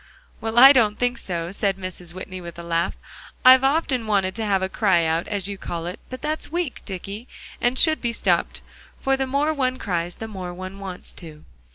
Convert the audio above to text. "Well, I don't think so," said Mrs. Whitney, with a laugh. "I've often wanted to have a cry out, as you call it. But that's weak, Dicky, and should be stopped, for the more one cries, the more one wants to."